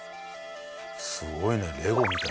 すごいねレゴみたい。